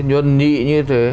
nhuân nhị như thế